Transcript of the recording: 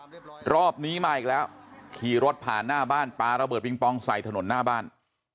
รอบนี้มาอีกแล้วขี่รถผ่านหน้าบ้านปลาระเบิดปิงปองใส่ถนนหน้าบ้าน